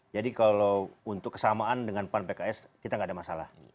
kalau untuk kesamaan dengan pan pks kita nggak ada masalah